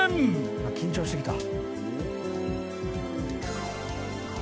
緊張してきた。